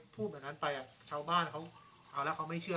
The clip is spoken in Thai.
พูดแบบนั้นไปชาวบ้านเขาเอาแล้วเขาไม่เชื่อ